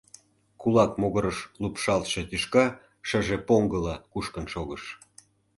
Кулак могырыш лупшалтше тӱшка шыже поҥгыла кушкын шогыш.